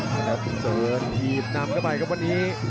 ครับเดินทีมนำเข้าไปครับวันนี้